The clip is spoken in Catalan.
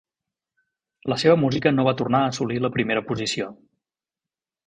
La seva música no va tornar a assolir la primera posició.